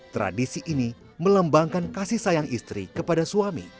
tradisi ini melembangkan kasih sayang istri kepada suami